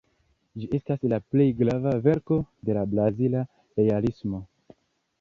Ĝi estas la plej grava verko de la brazila Realismo.